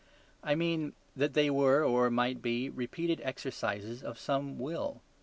I mean that they were, or might be, repeated exercises of some will.